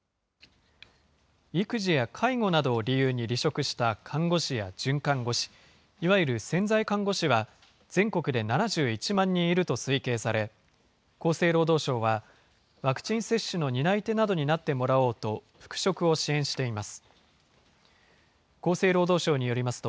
育児や介護などを理由に離職した看護師や准看護師、いわゆる潜在看護師は全国で７１万人いると推計され、厚生労働省は、ワクチン接種の担い手などになってもらおうと、復職を支援しています。